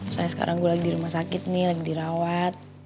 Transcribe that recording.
soalnya sekarang gue lagi di rumah sakit nih lagi dirawat